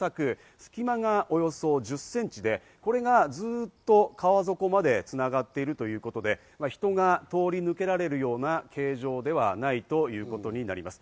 隙間がおよそ１０センチで、これが、ずと川底まで繋がっているということで、人が通り抜けられるような形状ではないということになります。